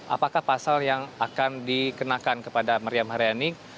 apakah pasal yang akan dikenakan kepada meriam haryani